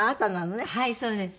はいそうです。